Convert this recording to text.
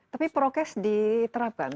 tapi prokes diterapkan